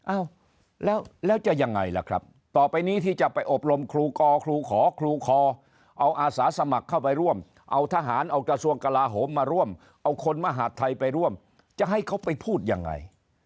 อ้าวแล้วจะยังไงล่ะครับต่อไปนี้ที่จะไปอบรมครูกอครูขอครูคอเอาอาสาสมัครเข้าไปร่วมเอาทหารเอากระทรวงกลาโหมมาร่วมเอาคนมหาดไทยไปร่วมจะให้เขาไปพูดยังไง